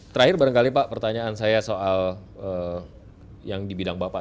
terakhir barangkali pak pertanyaan saya soal yang di bidang bapak